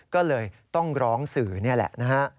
ก็เลยต้องร้องสื่อนี่แหละนะฮะ